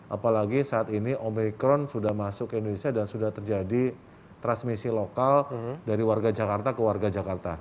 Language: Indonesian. apalagi saat ini omikron sudah masuk ke indonesia dan sudah terjadi transmisi lokal dari warga jakarta ke warga jakarta